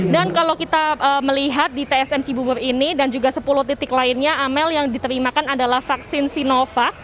dan kalau kita melihat di tsm cibubur ini dan juga sepuluh titik lainnya amel yang diterimakan adalah vaksin sinova